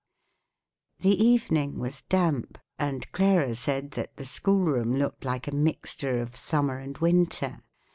The evening was damp, and Clara said that, the schoolroom looked like a mixture of summer and winter.